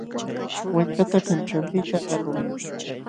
Wallpata kanćhanpiqta alquy.